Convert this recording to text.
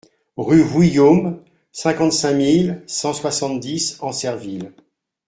Rue Vouillaume, cinquante-cinq mille cent soixante-dix Ancerville